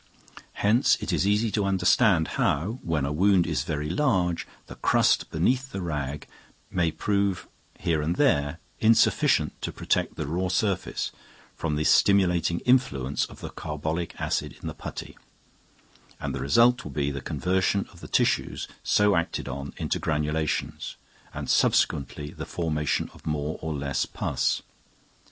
Hence it is easy to understand how, when a wound is very large, the crust beneath the rag may prove here and there insufficient to protect the raw surface from the stimulating influence of the carbolic acid in the putty; and the result will be first the conversion of the tissues so acted on into granulations, and subsequently the formation of more or less pus.